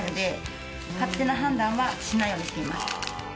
勝手な判断はしないようにしています。